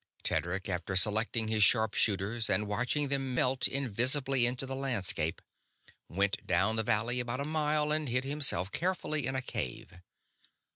Tedric, after selecting his sharp shooters and watching them melt invisibly into the landscape, went down the valley about a mile and hid himself carefully in a cave.